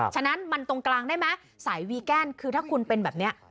ฉะนั้นมันตรงกลางได้ไหมสายวีแกนคือถ้าคุณเป็นแบบนี้